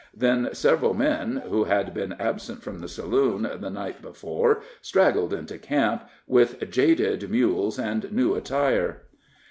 Then several men who had been absent from the saloon the night before straggled into camp, with jaded mules and new attire.